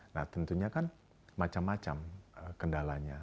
nah tentunya kan macam macam kendalanya